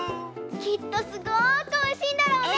きっとすごくおいしいんだろうね。